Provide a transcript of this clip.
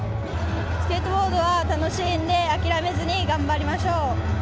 スケートボードは楽しいので諦めずに頑張りましょう。